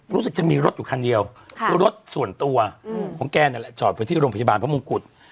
รู้สึกจะมีรถอยู่คันเดียวรถส่วนตัวของแกนั่นแหละจอดไว้ที่โรงพยาบาลพระมงกุฎ